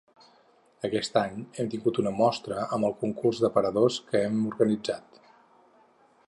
Aquest any hem tingut una mostra amb el concurs d’aparadors que hem organitzat.